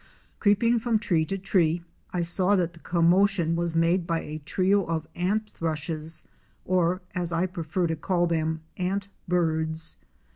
Creeping from tree to tree I saw that the commotion was made by a trio of Ant thrushes or, as I prefer to call them, Antbirds.